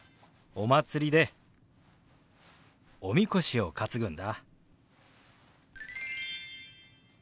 お祭りでおみこしを担ぐんだ。